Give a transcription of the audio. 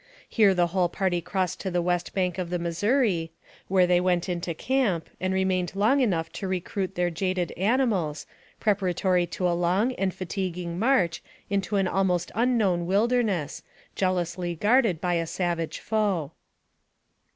Here the whole party crossed to the west bank of the Missouri, where they went into camp, and remained long enough to recruit AMONG THE SIOUX INDIANS. 259 their jaded animals, preparatory to a long and fa tiguing march into an almost unknown wilderness, jealously guarded by a savage foe.